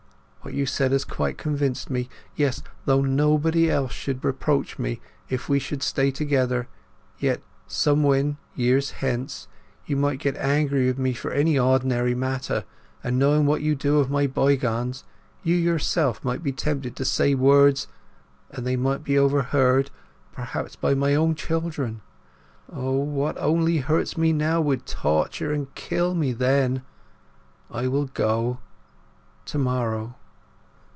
What you said has quite convinced me. Yes, though nobody else should reproach me if we should stay together, yet somewhen, years hence, you might get angry with me for any ordinary matter, and knowing what you do of my bygones, you yourself might be tempted to say words, and they might be overheard, perhaps by my own children. O, what only hurts me now would torture and kill me then! I will go—to morrow."